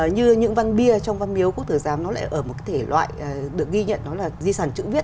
như những văn bia trong văn miếu quốc tử giám nó lại ở một thể loại được ghi nhận đó là di sản chữ viết